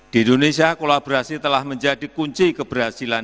di indonesia kolaborasi telah menjadi kunci keberhasilan